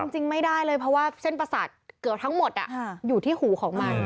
จริงไม่ได้เลยเพราะว่าเส้นประสาทเกือบทั้งหมดอยู่ที่หูของมัน